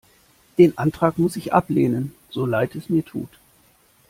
Den Antrag muss ich ablehnen, so leid es mir tut.